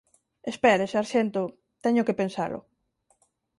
Espere, sarxento, teño que pensalo.